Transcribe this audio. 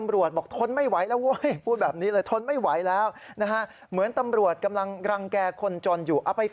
โรงพักโรงพักโรงพักโรงพักโรงพักโรงพัก